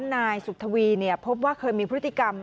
นายสุธวีพบว่าเคยมีพฤติกรรม